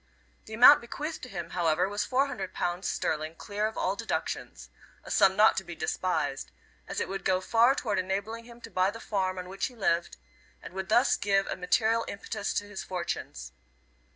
The amount bequeathed to him, however, was four hundred pounds sterling clear of all deductions a sum not to be despised, as it would go far toward enabling him to buy the farm on which he lived, and would thus give a material impetus to his fortunes.